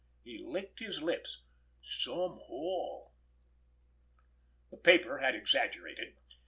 He licked his lips. "Some haul!" The paper had exaggerated.